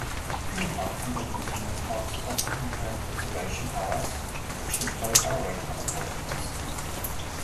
Theme parks and amusement parks often have observation towers, which employ elevator operators.